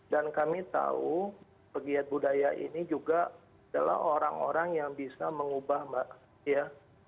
dan kami tahu pegiat budaya ini juga adalah orang orang yang bisa mengubah mbak ya